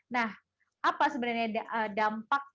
nah apa sebenarnya dampak